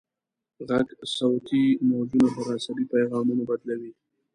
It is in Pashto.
غوږ صوتي موجونه پر عصبي پیغامونو بدلوي.